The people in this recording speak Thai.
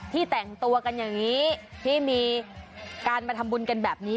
แต่งตัวกันอย่างนี้ที่มีการมาทำบุญกันแบบนี้